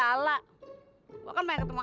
kebangetan ya ayu gue pake ditinggal segala